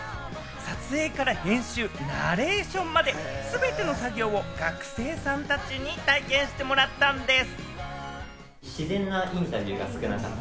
撮影から編集・ナレーションまで全ての作業を学生さんたちに体験してもらったんです。